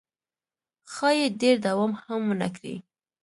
ښایي ډېر دوام هم ونه کړي.